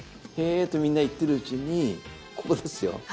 へぇとみんな言ってるうちにここですよ。